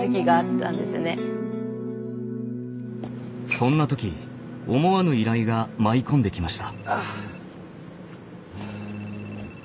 そんな時思わぬ依頼が舞い込んできました。